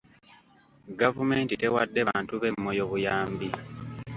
Gavumenti tewadde bantu b'e Moyo buyambi.